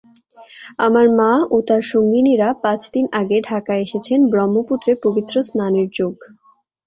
আমার মা ও তাঁর সঙ্গিনীরা পাঁচদিন আগে ঢাকা এসেছেন, ব্রহ্মপুত্রে পবিত্র স্নানের যোগ।